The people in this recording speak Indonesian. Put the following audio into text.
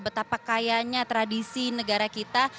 betapa kayanya tradisi negara kita